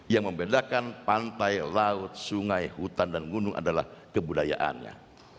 yang membedakan pantai laut sungai hutan dan gunung adalah kebudayaannya